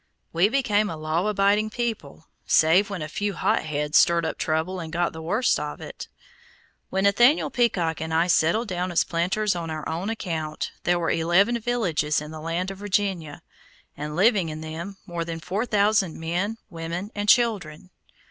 We became a law abiding people, save when a few hotheads stirred up trouble and got the worst of it. When Nathaniel Peacock and I settled down as planters on our own account, there were eleven villages in the land of Virginia, and, living in them, more than four thousand men, women, and children.